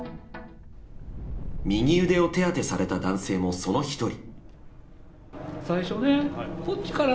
右腕を手当てされた男性もその１人。